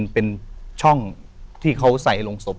เป็นช่องที่เขาใส่ลงศพ